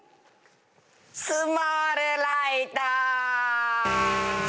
「スモールライト！」